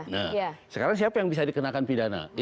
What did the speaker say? nah sekarang siapa yang bisa dikenakan pidana